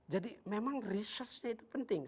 jadi memang researchnya itu penting